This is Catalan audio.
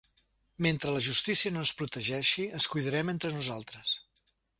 Mentre la justícia no ens protegeixi, ens cuidarem entre nosaltres.